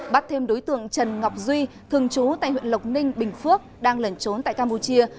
bắt thêm đối tượng trần ngọc duy thường trú tại huyện lộc ninh bình phước đang lẩn trốn tại campuchia